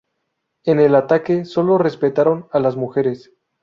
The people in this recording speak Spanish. En el ataque sólo respetaron a las mujeres.